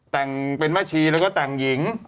แต่งเป็นแม่ชีแล้วก็แต่งหญิง